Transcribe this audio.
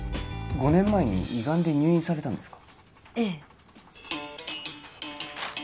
５年前に胃ガンで入院されたんですかええ・